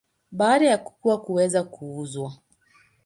Baada ya kukua huweza kuuzwa.